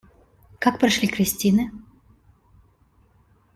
Как прошли крестины?